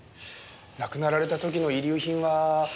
亡くなられた時の遺留品は。